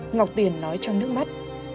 ngọc tuyền nói trong nước mắt